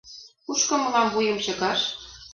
Кушко мылам вуйым чыкаш?